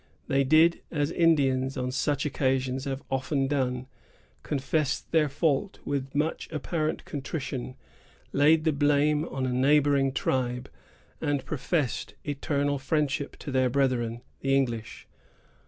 They did as Indians on such occasions have often done, confessed their fault with much apparent contrition, laid the blame on a neighboring tribe, and professed eternal friendship to their brethren, the English.